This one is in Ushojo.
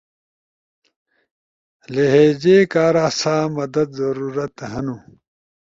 لہجے کارا سا مدد ضرورت ہنو؟